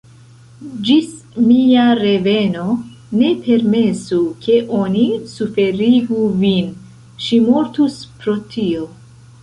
Ĝis mia reveno, ne permesu ke oni suferigu vin: ŝi mortus pro tio!